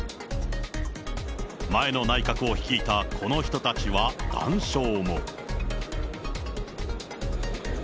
前の内閣を率いたこの人たちは、談笑も。